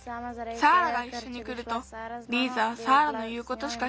サーラがいっしょにくるとリーザはサーラのいうことしかきかなくなるから。